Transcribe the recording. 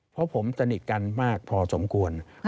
เพราะผมสนิทกันมากพอสมควร